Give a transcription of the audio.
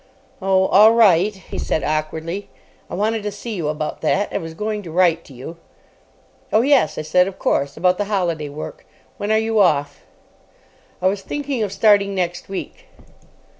"Oh, all right," he said awkwardly. "I wanted to see you about that. I was going to write to you." "Oh, yes," I said, "of course. About the holiday work. When are you off?" "I was thinking of starting next week."